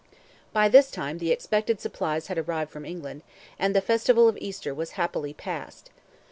By this time the expected supplies had arrived from England, and the festival of Easter was happily passed.